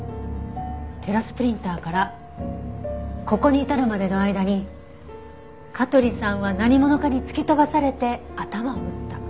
テラスプリンターからここに至るまでの間に香取さんは何者かに突き飛ばされて頭を打った。